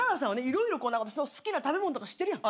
色々私の好きな食べ物とか知ってるやん？